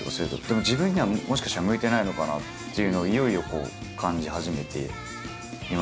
でも自分にはもしかしたら向いてないのかなっていうのをいよいよ感じ始めていまして。